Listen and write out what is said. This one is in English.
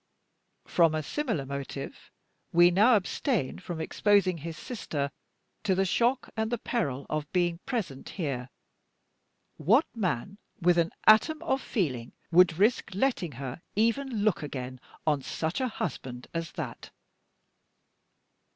From a similar motive we now abstain from exposing his sister to the shock and the peril of being present here. What man with an atom of feeling would risk letting her even look again on such a husband as that?"